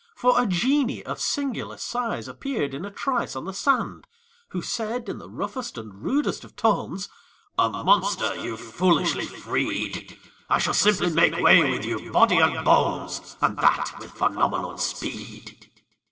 For a genie of singular size Appeared in a trice on the sand, Who said in the roughest and rudest of tones: "A monster you've foolishly freed! I shall simply make way with you, body and bones, And that with phenomenal speed!"